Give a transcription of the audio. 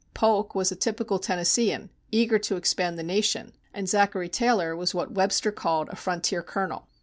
Polk was a typical Tennesseean, eager to expand the nation, and Zachary Taylor was what Webster called a "frontier colonel."